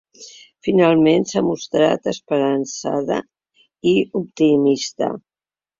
Finalment, s’ha mostrat esperançada i optimista.